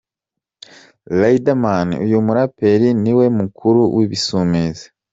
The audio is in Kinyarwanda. Riderman: uyu muraperi ni we mukuru w’Ibisumizi.